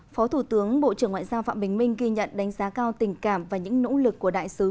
phó thủ tướng bộ trưởng ngoại giao phạm bình minh ghi nhận đánh giá cao tình cảm và những nỗ lực của đại sứ